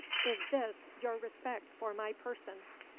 Is this your respect for my person?